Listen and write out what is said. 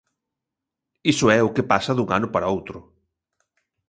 Iso é o que pasa dun ano para outro.